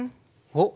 おっ！